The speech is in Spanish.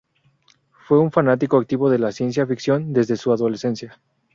Fue un fanático activo de la ciencia ficción desde su adolescencia.